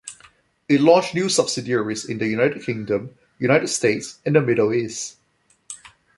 It launched new subsidiaries in the United Kingdom, United States, and the Middle East.